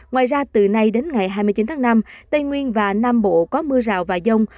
ngoài ra từ nay đến ngày hai mươi chín tháng năm tây nguyên và nam bộ có mưa rào và dông